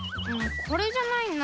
これじゃないな。